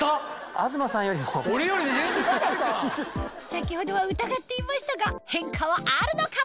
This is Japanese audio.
先ほどは疑っていましたが変化はあるのか？